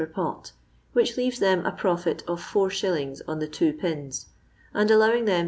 per pot, which leaves them a profit of 4«. on the two pins, and, allowing them M.